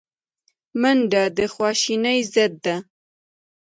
منډه د خواشینۍ ضد ده